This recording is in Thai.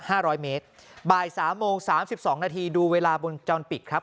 ร้อยเมตรบ่ายสามโมงสามสิบสองนาทีดูเวลาบนจรปิดครับ